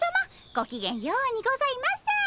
ごきげんようにございます。